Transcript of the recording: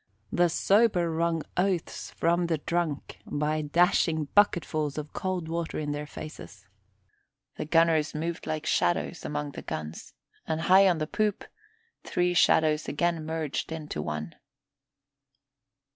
The sober wrung oaths from the drunk by dashing bucketfuls of cold water in their faces. The gunners moved like shadows among the guns. And high on the poop, three shadows again merged into one.